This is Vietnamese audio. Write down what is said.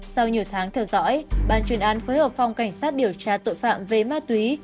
sau nhiều tháng theo dõi bàn chuyên án phối hợp phòng cảnh sát điều tra tội phạm về ma túy